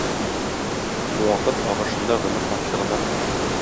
Вакыт агышында гомер тамчы гына.